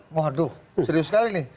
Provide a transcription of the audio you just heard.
waduh serius sekali nih